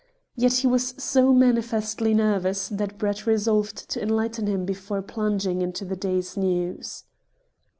Yet he was so manifestly nervous that Brett resolved o enlighten him before plunging into the day's news.